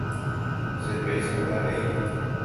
Che péichante avei.